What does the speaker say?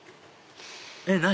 えっ何？